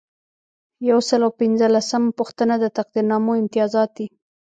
یو سل او پنځلسمه پوښتنه د تقدیرنامو امتیازات دي.